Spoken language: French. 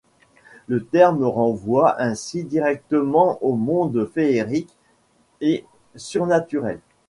Le terme renvoie ainsi directement au monde féérique et surnaturel.